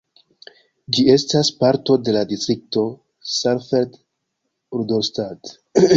Ĝi estas parto de la distrikto Saalfeld-Rudolstadt.